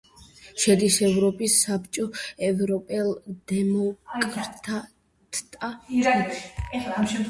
შედის ევროპის საბჭოს „ევროპელ დემოკრატთა ჯგუფში“.